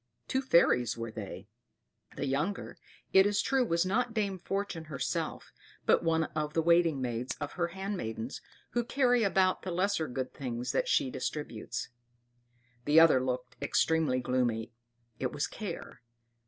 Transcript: Two fairies were they; the younger, it is true, was not Dame Fortune herself, but one of the waiting maids of her handmaidens who carry about the lesser good things that she distributes; the other looked extremely gloomy it was Care.